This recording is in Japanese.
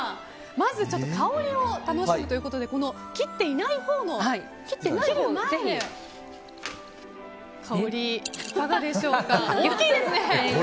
まず香りを楽しむということで切っていないほうの香りいかがでしょうか？